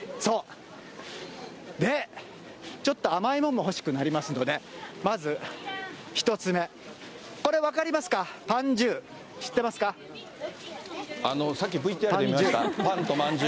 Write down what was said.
で、ちょっと甘いものも欲しくなりますので、まず１つ目、これ分かりますか、ぱんじゅう。